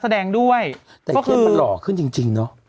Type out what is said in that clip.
โด่งดังมากละครโพรีพัศน์แหละ